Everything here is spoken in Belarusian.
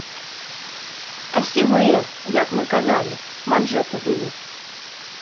А сівыя, як мы казалі, манжэты былі.